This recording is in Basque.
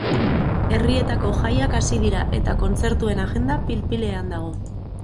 Herrietako jaiak hasi dira eta kontzertuen agenda pil-pilean dago.